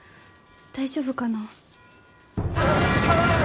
大丈夫かな？